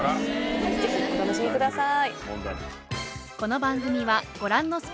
ぜひお楽しみください。